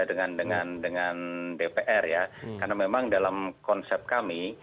karena memang dalam konsep kami